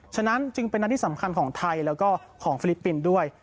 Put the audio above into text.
ฉะนั้นจึงเป็นอันที่สำคัญของไทยแล้วก็ของฟิลิปปินส์ด้วย